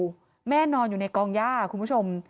แม่แม่จะนอนอยู่ในกองหญ้าคุณผู้ชม